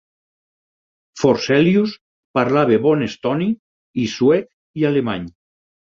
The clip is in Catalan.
Forselius parlava bon estoni i suec i alemany.